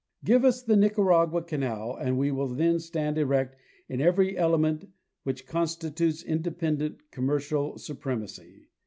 Give us the Nicaragua canal and we will then stand erect in every element which constitutes independent commercial supremacy.